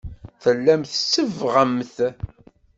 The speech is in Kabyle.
Tellamt tsebbɣemt.